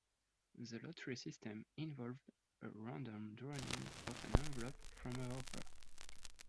The lottery system involved a random drawing of an envelope from a hopper.